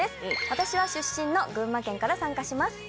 私は出身の群馬県から参加します。